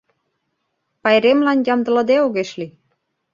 — Пайремлан ямдылыде огеш лий.